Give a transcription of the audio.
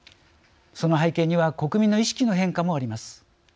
その背景には国民の意識の変化もあります。